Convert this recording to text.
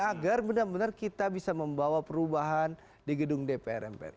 agar benar benar kita bisa membawa perubahan di gedung dpr mpr